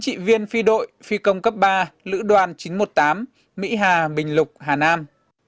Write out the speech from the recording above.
trị viên phi đội phi công cấp ba lữ đoàn chín trăm một mươi tám mỹ hà bình lục hà nam